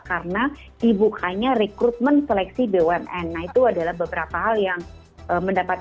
karena di bukanya recruitment seleksi d sitio adalah beberapa hal yang mendapat